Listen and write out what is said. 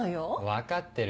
分かってるよ。